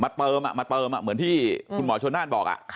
มาเติมอ่ะมาเติมอ่ะเหมือนที่คุณหมอชนนั่นบอกอ่ะ